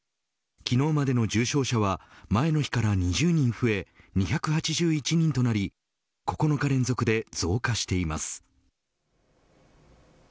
昨日までの重症者は前の日から２０人増え２８１人となり９日連続で増加しています。